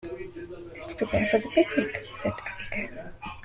"Let's prepare for the picnic!", said Abigail.